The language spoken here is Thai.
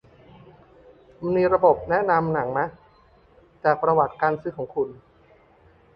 มันมีระบบแนะนำหนังมะ จากประวัติการซื้อของคุณ